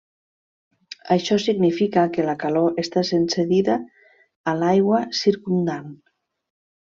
Això significa que la calor està sent cedida a l'aigua circumdant.